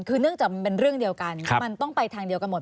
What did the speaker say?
คือเนื่องจากมันเป็นเรื่องเดียวกันมันต้องไปทางเดียวกันหมด